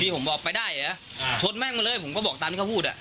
ผมบอกไปได้เหรอชนแม่งมาเลยผมก็บอกตามที่เขาพูดอ่ะ